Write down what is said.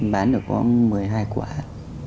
bán được có một mươi hai quán